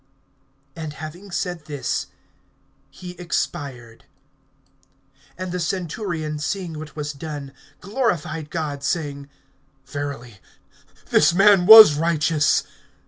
And having said this, he expired. (47)And the centurion, seeing what was done, glorified God, saying: Verily, this man was righteous!